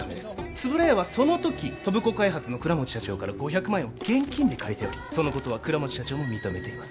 円谷はその時戸部子開発の倉持社長から５００万円を現金で借りておりそのことは倉持社長も認めています